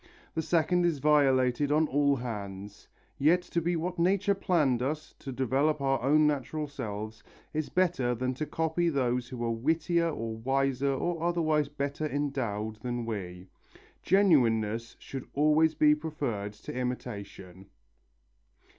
The second is violated on all hands. Yet to be what nature planned us to develop our own natural selves is better than to copy those who are wittier or wiser or otherwise better endowed than we. Genuineness should always be preferred to imitation.